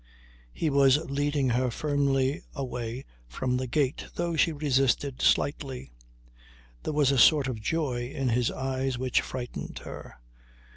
He was leading her firmly away from the gate though she resisted slightly. There was a sort of joy in his eyes which frightened her.